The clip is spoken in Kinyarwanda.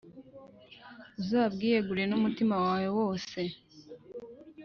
Uzabwiyegurire n’umutima wawe wose,